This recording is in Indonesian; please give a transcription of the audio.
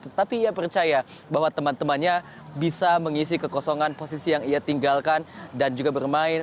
tetapi ia percaya bahwa teman temannya bisa mengisi kekosongan posisi yang ia tinggalkan dan juga bermain